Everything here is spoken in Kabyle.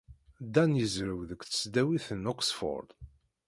Dan yezrew deg Tesdawit n Oxford.